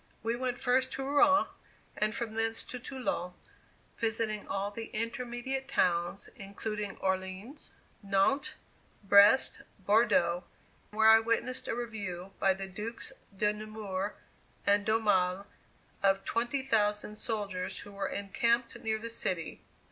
We went first to Rouen, and from thence to Toulon, visiting all the intermediate towns, including Orleans, Nantes, Brest, Bordeaux, where I witnessed a review by the Dukes de Nemours and d'Aumale, of 20,000 soldiers who were encamped near the city.